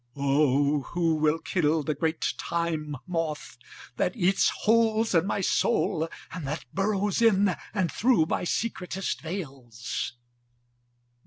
(O who will kill the great Time Moth that eats holes in my soul and that burrows in and through my secretest veils!)